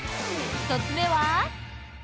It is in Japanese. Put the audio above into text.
１つ目は。